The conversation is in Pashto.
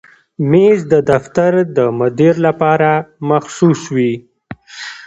مېز د دفتر د مدیر لپاره مخصوص وي.